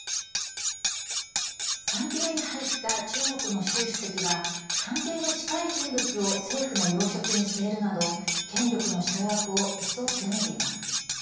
３期目に入った中国の習主席は関係の近い人物を政府の要職に据えるなど権力の掌握を一層強めています。